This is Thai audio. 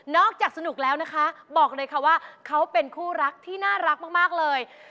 จากสนุกแล้วนะคะบอกเลยค่ะว่าเขาเป็นคู่รักที่น่ารักมากเลย